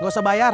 gak usah bayar